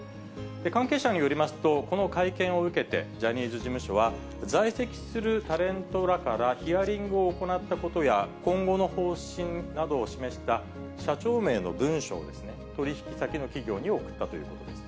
関係者によりますと、この会見を受けて、ジャニーズ事務所は、在籍するタレントらからヒアリングを行ったことや、今後の方針などを示した社長名の文書を取り引き先の企業に送ったということです。